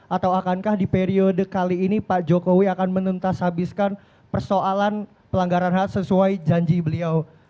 atau akankah di periode kali ini pak jokowi akan menuntas habiskan persoalan pelanggaran hak sesuai janji beliau